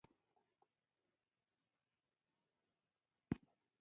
د نرم او مهربانه زړه خاوندان بې عقله او احمقان ندي.